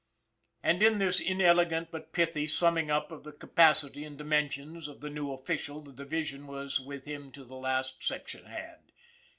And in this inelegant, but pithy, summing up of the capacity and dimensions of the new official the division was with him to the last section hand.